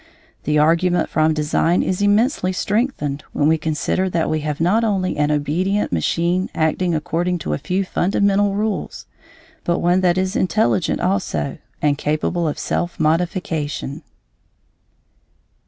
The argument from design is immensely strengthened when we consider that we have not only an obedient machine acting according to a few fundamental rules, but one that is intelligent also and capable of self modification.